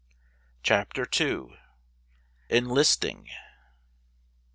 CHAPTER 11. ENLISTING.